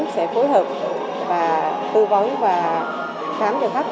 sẽ phối hợp và thu gói và khám cho khách